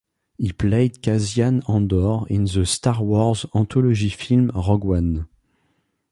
He played Cassian Andor in the "Star Wars" anthology film "Rogue One".